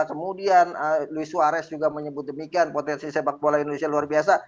kemudian louis suares juga menyebut demikian potensi sepak bola indonesia luar biasa